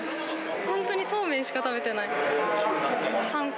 本当にそうめんしか食べてな週に何回？